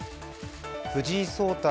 藤井聡太